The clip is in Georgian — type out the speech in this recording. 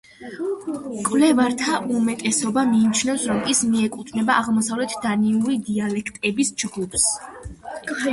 მკვლევართა უმეტესობა მიიჩნევს, რომ ის მიეკუთვნება აღმოსავლეთ დანიური დიალექტების ჯგუფს.